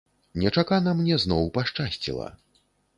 Нечакана мне зноў пашчасціла.